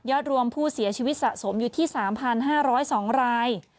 รวมผู้เสียชีวิตสะสมอยู่ที่๓๕๐๒ราย